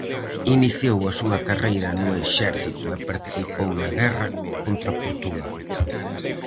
Iniciou a súa carreira no exército e participou na guerra contra Portugal.